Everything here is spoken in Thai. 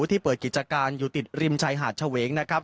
ที่เปิดกิจการอยู่ติดริมชายหาดเฉวงนะครับ